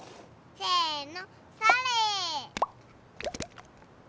せの！